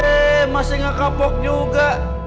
ih masih gak kepok juga